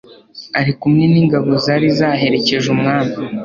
ari kumwe n'ingabo zari zaherekeje umwami